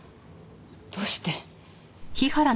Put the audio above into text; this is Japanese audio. どうして？